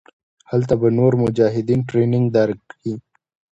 هلته به نور مجاهدين ټرېننگ درکي.